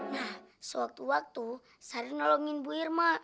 nah sewaktu waktu sari nolongin bu irma